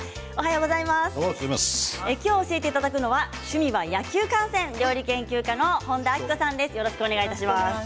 今日教えていただくのは趣味は野球観戦料理研究家の本田明子さんです。